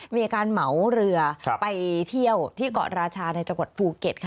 มีการเหมาเรือไปเที่ยวที่เกาะราชาในจังหวัดภูเก็ตค่ะ